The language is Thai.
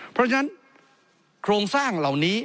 เพราะฉะนั้นโครงสร้างเหล่านี้